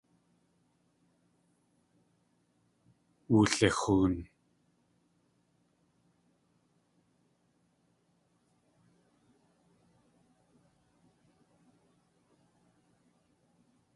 Wulixoon.